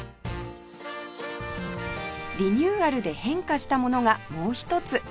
リニューアルで変化したものがもう一つ